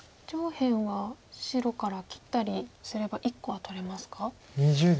上辺は白から切ったりすれば１個は取れますか？